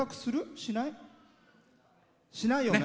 しないよね。